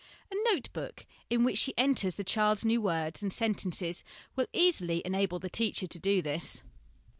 A note book in which she enters the child's new words and sentences will easily enable the teacher to do this.